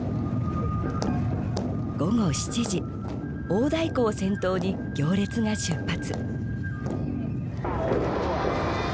午後７時大太鼓を先頭に行列が出発。